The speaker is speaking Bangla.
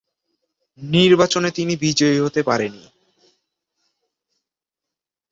নির্বাচনে তিনি বিজয়ী হতে পারেন নি।